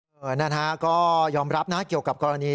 เบิร์นนะครับก็ยอมรับเกี่ยวกับกรณี